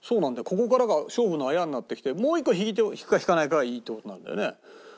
ここからが勝負の綾になってきてもう１個引くか引かないかはいいって事なんだよね。